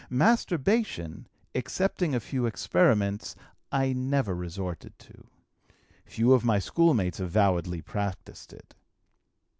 "Masturbation, excepting a few experiments, I never resorted to. Few of my schoolmates avowedly practised it.